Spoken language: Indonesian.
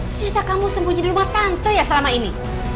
biasa kamu sembunyi di rumah tante ya selama ini